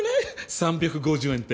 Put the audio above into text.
３５０円って。